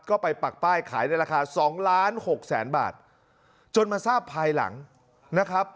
ก็ไปปักป้ายขายในราคาสองล้านหกแสนบาทจนมาทราบภายหลังนะครับ